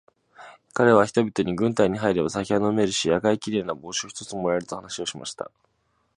かれは人々に、軍隊に入れば酒は飲めるし、赤いきれいな帽子を一つ貰える、と話しました。